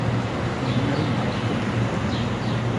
இன்னல் மறப்ப துண்டோ?"